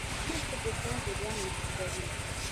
مقاومت د برېښنا جریان محدودوي.